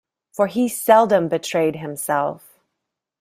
For he seldom betrayed himself.